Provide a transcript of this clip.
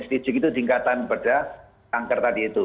staging itu tingkatan pada kanker tadi itu